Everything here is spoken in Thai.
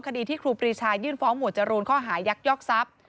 คดีที่ครูปรีชายื่นฟ้องหมวดจรูนข้อหายักยอกทรัพย์